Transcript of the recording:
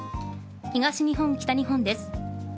東日本、北日本です。